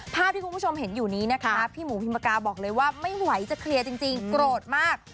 ภาพที่คุณผู้ชมเห็นอยู่นี้นะคะพี่หมูพิมกาบอกเลยว่าไม่ไหวจะเคลียร์จริงโกรธมาก